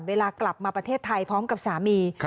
เวลากลับมาประเทศไทยพร้อมกับสามี